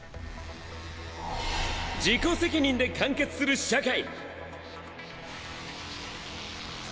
自己責任で完結する社会！